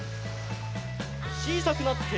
ちいさくなって。